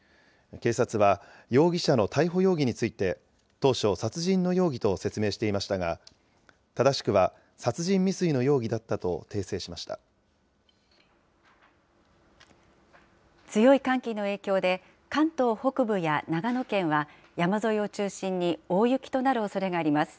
警察は、容疑者の逮捕容疑について、当初、殺人の容疑と説明していましたが、正しくは殺人未遂の強い寒気の影響で、関東北部や長野県は、山沿いを中心に大雪となるおそれがあります。